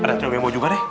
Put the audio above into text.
ada yang mau juga deh